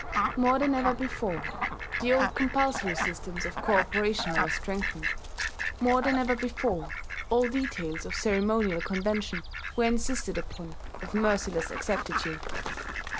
More than ever before the old compulsory systems of cooperation were strengthened; more than ever before all details of ceremonial convention were insisted upon with merciless exactitude.